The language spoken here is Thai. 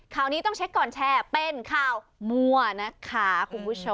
ข่าวนี้ต้องเช็คก่อนแชร์เป็นข่าวมั่วนะคะคุณผู้ชม